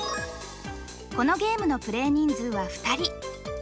このゲームのプレー人数は２人。